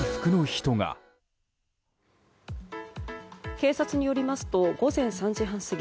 警察によりますと午前３時半過ぎ